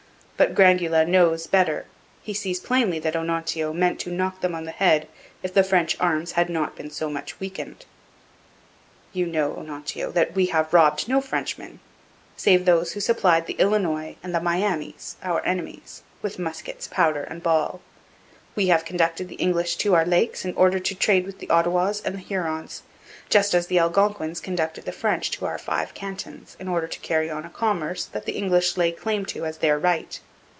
But Grangula knows better. He sees plainly that Onontio meant to knock them on the head if the French arms had not been so much weakened... 'You must know, Onontio, that we have robbed no Frenchman, save those who supplied the Illinois and the Miamis (our enemies) with muskets, powder, and ball... We have conducted the English to our lakes in order to trade with the Ottawas and the Hurons; just as the Algonquins. conducted the French to our five cantons, in order to carry on a commerce that the English lay claim to as their right.